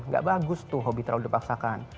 gak bagus tuh hobi terlalu dipaksakan